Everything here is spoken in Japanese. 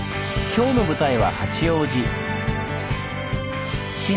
今日の舞台は八王子。